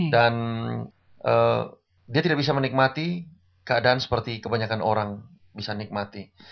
dan dia tidak bisa menikmati keadaan seperti kebanyakan orang bisa nikmati